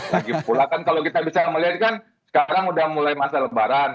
lagi pula kan kalau kita bisa melihat kan sekarang udah mulai masa lebaran